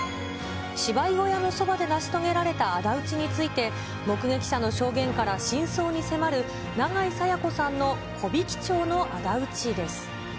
芝居小屋のそばで成し遂げられたあだ討ちについて、目撃者の証言から真相に迫る永井紗耶子さんの木挽町のあだ討ちです。